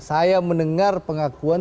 saya mendengar pengakuan